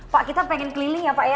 pak kita pengen keliling ya pak ya